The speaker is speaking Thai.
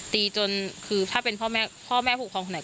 ตีจนคือถ้าเป็นพ่อแม่พ่อแม่ผู้ปกครองคนไหน